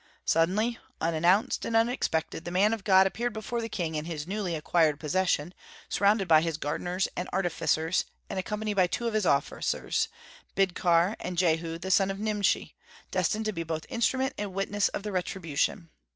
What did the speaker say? Suddenly, unannounced and unexpected, the man of God appeared before the king in his newly acquired possession, surrounded by his gardeners and artificers, and accompanied by two of his officers, Bidkar, and Jehu the son of Nimshi, destined to be both instrument and witness of the retribution.